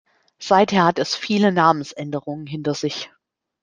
Seither hat es viele Namensänderungen hinter sich.